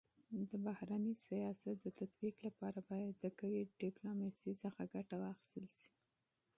د بهرني سیاست د تطبيق لپاره باید د قوي ډيپلوماسی څخه استفاده وسي.